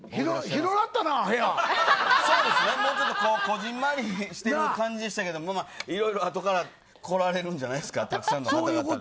もうちょっとこじんまりしている感じでしたけどいろいろ後から来られるんじゃないですか。